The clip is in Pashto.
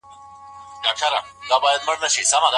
ایا رسول الله هغه خونې ته بېرته راغی؟